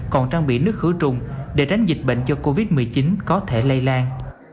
còn trang bị nước khử trùng để tránh dịch bệnh cho covid một mươi chín có thể lây lan